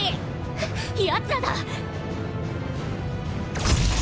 やつらだ！